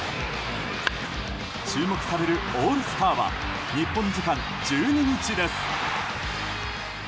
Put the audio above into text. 注目されるオールスターは日本時間１２日です。